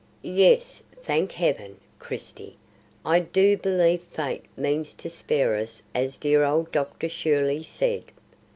"Yes, thank heaven! Christie, I do believe fate means to spare us as dear old Dr. Shirley said.